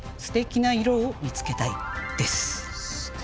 「すてきな色を見つけたい」。